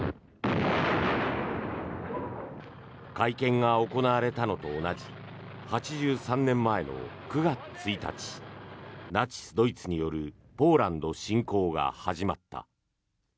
会見が行われたのと同じ８３年前の９月１日ナチス・ドイツによるポーランド侵攻が始まった。